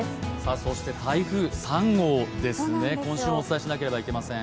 そして台風３号ですね、今週もお伝えしなければなりません。